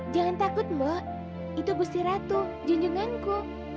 jangan takut mbak itu gusti ratu junjunganku